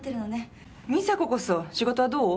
美佐子こそ仕事はどう？